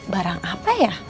barang apa ya